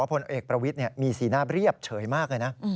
พลเอกประวิทย์มีสีหน้าเรียบเฉยมากเลยนะ